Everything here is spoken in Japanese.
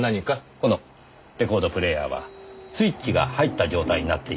このレコードプレーヤーはスイッチが入った状態になっています。